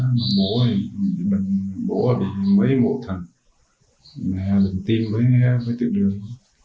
mà bố thì bố là vì mấy mộ thần mẹ bình tin với tự đường